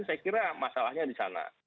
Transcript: saya kira masalahnya di sana